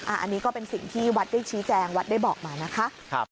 อันนี้ก็เป็นสิ่งที่วัดได้ชี้แจงวัดได้บอกมานะคะ